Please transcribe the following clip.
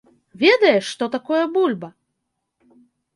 Ведаеш, што такое бульба?